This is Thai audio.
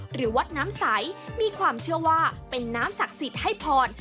หรือวัดน้ำใสมีความเชื่อว่าเป็นน้ำศักดิ์สิทธิ์ให้พร